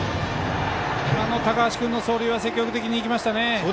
今の高橋君の走塁は積極的にいきましたね。